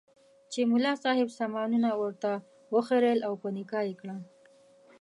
چې ملا صاحب سامانونه ورته وخریېل او په نکاح یې کړه.